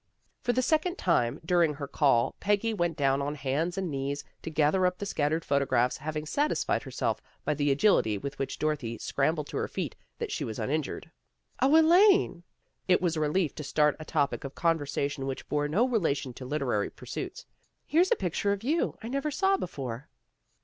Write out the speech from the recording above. For the second tune during her call Peggy went down on hands and knees to gather up the scattered photo graphs, having satisfied herself by the agility with which Dorothy scrambled to her feet that she was uninjured. " 0, Elaine! " It was a relief to start a topic of conversation which bore no relation to liter PEGGY ACTS AS CRITIC 147 ary pursuits. " Here's a picture of you, I never saw before."